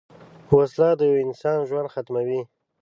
وسله د یوه انسان ژوند ختموي